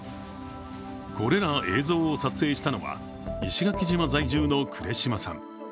これら映像を撮影したのは石垣島在住の呉島さん。